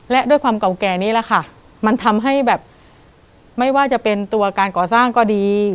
และด้วยความเก่าแก่นี้แหละค่ะมันทำให้แบบไม่ว่าจะเป็นตัวการก่อสร้างก็ดี